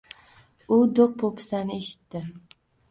U do‘q-po‘pisasini eshitdi.